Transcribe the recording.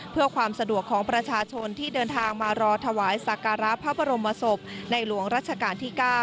เพื่อความสะดวกของประชาชนที่เดินทางมารอถวายสักการะพระบรมศพในหลวงรัชกาลที่๙